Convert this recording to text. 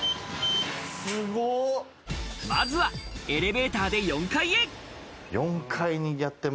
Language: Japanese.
まずはエレベーターで４階へ。